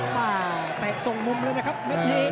มาเตะส่งมุมเลยนะครับเม็ดนี้